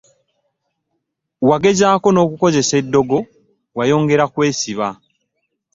Wagezaako n’okukozesa eddogo, wayongera kwesiba.